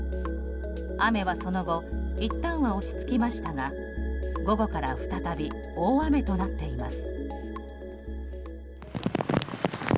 雨はその後いったんは落ち着きましたが午後から再び大雨となっています。